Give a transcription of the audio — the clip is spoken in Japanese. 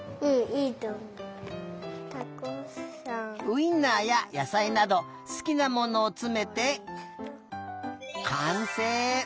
ウインナーややさいなどすきなものをつめてかんせい！